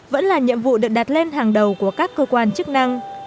vẫn là nhiệm vụ được đặt lên hàng đầu của các cơ quan chức năng